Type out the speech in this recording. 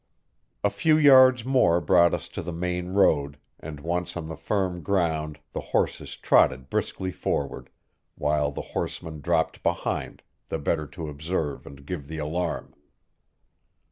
A few yards more brought us to the main road, and once on the firm ground the horses trotted briskly forward, while the horseman dropped behind, the better to observe and give the alarm.